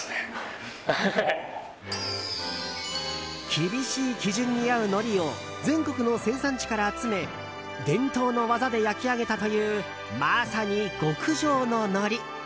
厳しい基準に合うのりを全国の生産地から集め伝統の技で焼き上げたというまさに極上ののり。